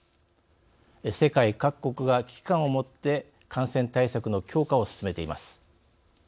世界各国が危機感を持って感染対策の強化を進めています。